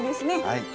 はい。